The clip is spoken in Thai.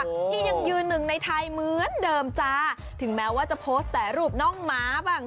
ที่ยังยืนหนึ่งในไทยเหมือนเดิมจ้าถึงแม้ว่าจะโพสต์แต่รูปน้องหมาบ้าง